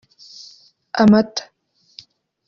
amata